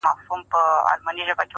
• زه په خیال کي شاه جهان د دې جهان وم -